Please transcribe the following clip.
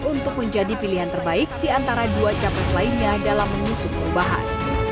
untuk menjadi pilihan terbaik di antara dua capres lainnya dalam mengusung perubahan